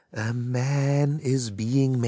A man is being made.